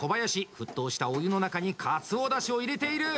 沸騰したお湯の中にかつおだしを入れている。